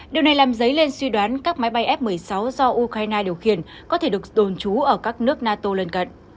điều này làm dấy lên suy đoán các máy bay f một mươi sáu do ukraine điều khiển có thể được đồn trú ở các nước nato lân cận